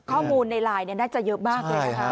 ข้อมูลในลายน่าจะเยอะมากเลย